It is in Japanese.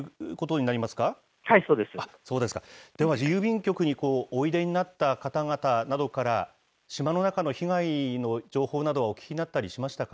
では郵便局においでになった方々などから、島の中の被害の情報などはお聞きになったりしましたか。